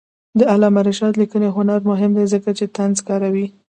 د علامه رشاد لیکنی هنر مهم دی ځکه چې طنز کاروي.